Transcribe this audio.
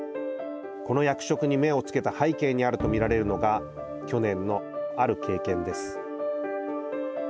この役職に目を付けた背景にあると見られるのが去年の、ある経験です。